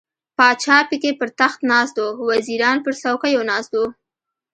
پاچا پکې پر تخت ناست و، وزیران پر څوکیو ناست وو.